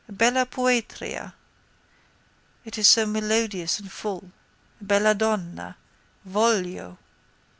Bella Poetria! It is so melodious and full. _Belladonna. Voglio.